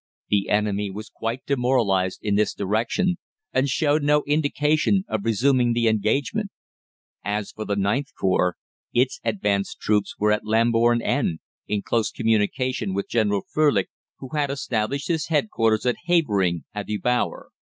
The enemy was quite demoralised in this direction, and showed no indication of resuming the engagement. As for the IXth Corps, its advanced troops were at Lamboume End, in close communication with General Frölich, who had established his headquarters at Havering atte Bower.